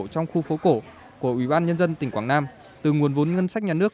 trong khu phố cổ của ubnd tỉnh quảng nam từ nguồn vốn ngân sách nhà nước